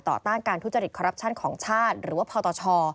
ต้านการทุจริตคอรัปชั่นของชาติหรือว่าพตช